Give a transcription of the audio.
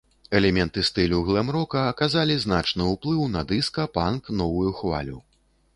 Элементы стылю глэм-рока аказалі значны ўплыў на дыска, панк, новую хвалю.